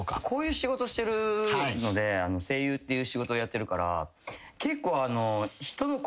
こういう仕事してるので声優という仕事をやってるから結構。